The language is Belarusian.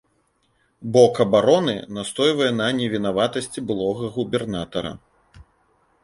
Бок абароны настойвае на невінаватасці былога губернатара.